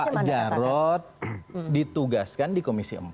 pak jarod ditugaskan di komisi empat